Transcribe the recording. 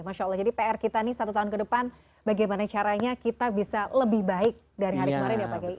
masya allah jadi pr kita nih satu tahun ke depan bagaimana caranya kita bisa lebih baik dari hari kemarin ya pak kiai